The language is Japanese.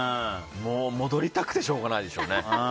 戻りたくてしょうがないでしょうね。